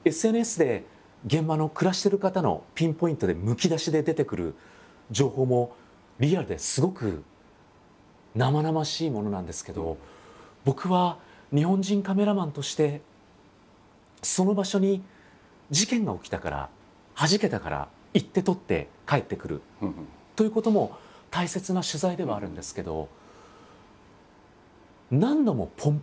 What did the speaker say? ＳＮＳで現場の暮らしてる方のピンポイントでむき出しで出てくる情報もリアルですごく生々しいものなんですけど僕は日本人カメラマンとしてその場所に事件が起きたからはじけたから行って撮って帰ってくるということも大切な取材ではあるんですけど。